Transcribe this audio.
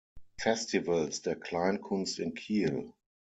Festivals der Kleinkunst in Kiel.